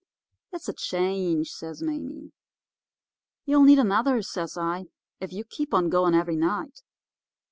"'It's a change,' says Mame. "'You'll need another,' says I, 'if you keep on going every night.